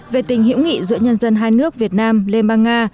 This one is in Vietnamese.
về tình hữu nghị giữa nhân dân hai nước việt nam lemba nga